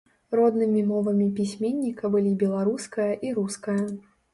Роднымі мовамі пісьменніка былі беларуская і руская.